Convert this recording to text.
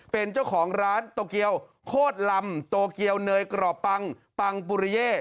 เป็นเจ้าของร้านโตเกียวโคตรลำโตเกียวเนยกรอบปังปังปุริเย่